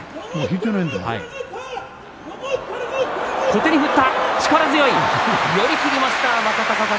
小手に振った、力強い寄り切りました、若隆景。